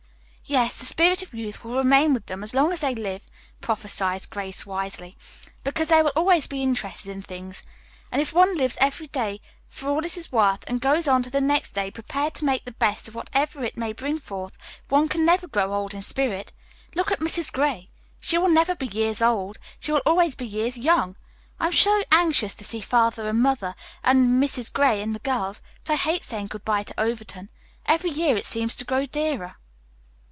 "Yes, the spirit of youth will remain with them as long as they live," prophesied Grace wisely, "because they will always be interested in things. And if one lives every day for all it is worth and goes on to the next day prepared to make the best of whatever it may bring forth, one can never grow old in spirit. Look at Mrs. Gray. She never will be 'years old,' she will always be 'years young.' I am so anxious to see Father and Mother and Mrs. Gray and the girls, but I hate saying good bye to Overton. Every year it seems to grow dearer."